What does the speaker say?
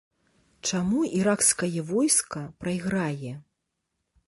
Чаму іракскае войска прайграе?